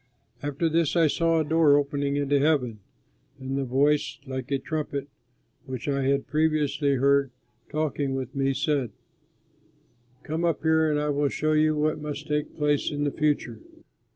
After this I saw a door opening into heaven. And the voice like a trumpet which I had previously heard talking with me, said: "Come up here, and I will show you what must take place in the future."